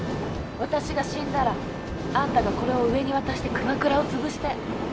私が死んだらあんたがこれを上に渡して熊倉を潰して。